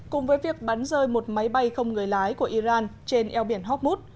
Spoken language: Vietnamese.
cùng với việc bắn rơi một máy bay không người lái của iran trên eo biển hockmood